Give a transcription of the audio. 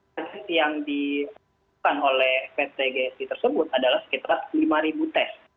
target yang dilakukan oleh pt gsi tersebut adalah sekitar lima tes